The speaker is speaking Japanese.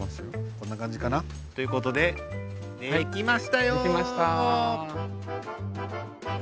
こんな感じかな。ということで出来ましたよ！